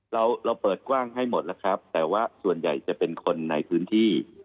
เราเราเปิดกว้างให้หมดแล้วครับแต่ว่าส่วนใหญ่จะเป็นคนในพื้นที่